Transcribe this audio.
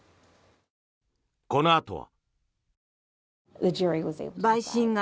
このあとは。